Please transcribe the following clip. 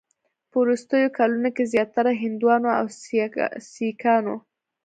په وروستیو کلونو کې زیاتره هندوانو او سیکانو